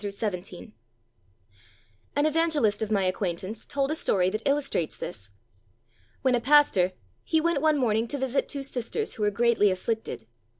An evangelist of my acquaintance told a story that illustrates this. When a pastor he went one morning to visit two sisters who were greatly afflicted.